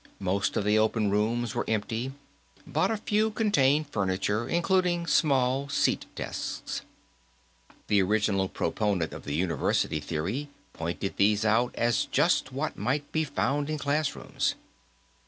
Most of the open rooms were empty, but a few contained furniture, including small seat desks. The original proponent of the university theory pointed these out as just what might be found in classrooms.